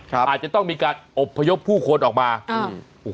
ครับอาจจะต้องมีการอบพะยบพู่คนออกมาอืม